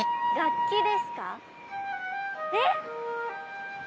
えっ？